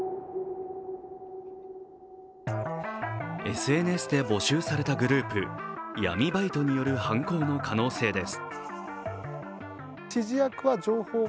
ＳＮＳで募集されたグループ、闇バイトの犯行の可能性です。